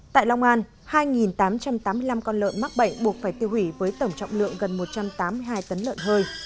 tại long an hai tám trăm tám mươi năm con lợn mắc bệnh buộc phải tiêu hủy với tổng trọng lượng gần một trăm tám mươi hai tấn lợn hơi